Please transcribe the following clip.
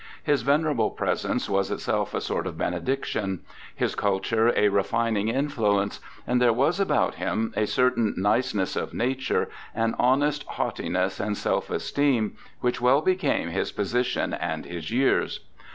His venerable presence was itself a sort of benediction ; his culture a refining influence ; and there was about him ' a certain niceness of nature, an honest haughtiness and self esteem ', which well became his position and his years.